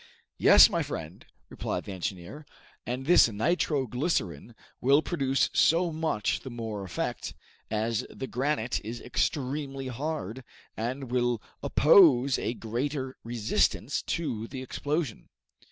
"Yes, my friend," replied the engineer, "and this nitro glycerine will produce so much the more effect, as the granite is extremely hard, and will oppose a greater resistance to the explosion."